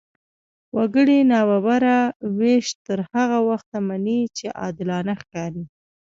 وګړي نابرابره وېش تر هغه وخته مني، چې عادلانه ښکاري.